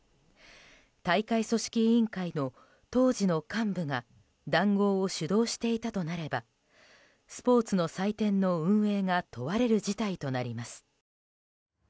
大会組織委員会の当時の幹部が談合を主導していたとなればスポーツの祭典の運営が問われる事態となります。